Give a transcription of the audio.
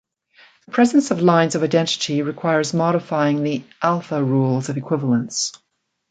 The presence of lines of identity requires modifying the "alpha" rules of Equivalence.